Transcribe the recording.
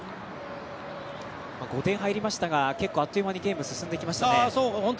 ５点入りましたがあっという間にゲームが進みましたね。